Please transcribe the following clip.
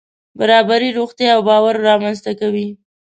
برابري روغتیا او باور رامنځته کوي.